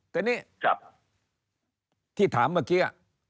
แต่นี่ที่ถามเมื่อกี้